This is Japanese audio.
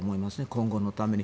今後のために。